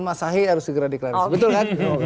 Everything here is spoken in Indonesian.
soal waktu itu kayaknya belum cocok juga